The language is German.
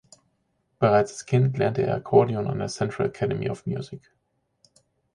Bereits als Kind lernte er Akkordeon an der Central Academy of Music.